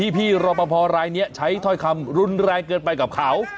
พี่รอปภรายนี้ใช้ถ้อยคำรุนแรงเกินไปกับเขา